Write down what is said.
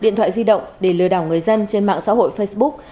điện thoại di động để lừa đảo người dân trên mạng xã hội facebook